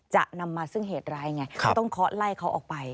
จะนำมาซึ่งเหตุร้ายไงก็ต้องเคาะไล่เขาออกไป